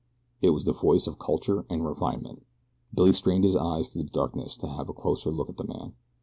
It was the voice of culture and refinement. Billy strained his eyes through the darkness to have a closer look at the man.